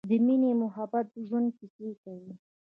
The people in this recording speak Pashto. د مینې مخبت د ژوند کیسې کوی